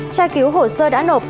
tra cứu hồ sơ đã nộp